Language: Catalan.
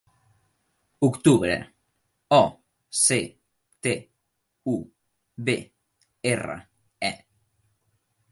Octubre: o, ce, te, u, be, erra, e.